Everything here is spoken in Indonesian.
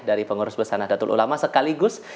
dari pengurus besarna datul ulama sekaligus